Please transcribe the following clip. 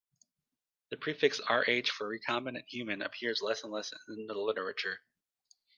The prefix "rh" for "recombinant human" appears less and less in the literature.